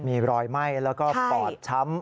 มีรอยไหม้แล้วก็ปอดช้ำ